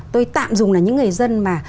tôi tạm dùng là những người dân mà